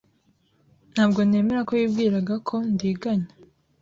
Ntabwo nemera ko wibwiraga ko ndiganya.